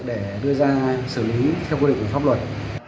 để đưa ra xử lý theo quy định của pháp luật